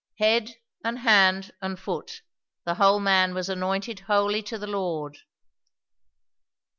Head and hand and foot, the whole man was anointed holy to the Lord."